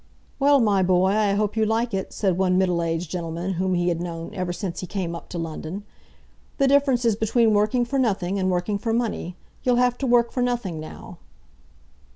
"Well, my boy, I hope you like it," said one middle aged gentleman whom he had known ever since he came up to London. "The difference is between working for nothing and working for money. You'll have to work for nothing now."